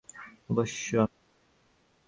অবশ্যই, আমি মনে করি।